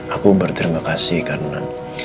aku berterima kasih karena